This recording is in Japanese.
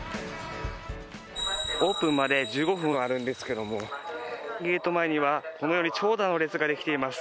オープンまで１５分あるんですけどもゲート前には、このように長蛇の列ができています。